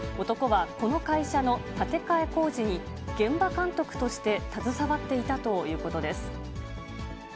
男はこの会社の建て替え工事に、現場監督として携わっていたということです。